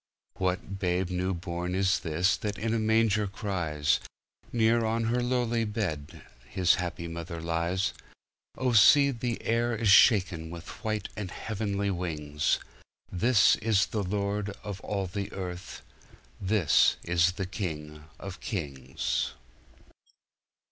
What babe new born is this that in a manger cries? Near on her lowly bed his happy mother lies. Oh, see the air is shaken with white and heavenly wings This is the Lord of all the earth, this is the King of kings.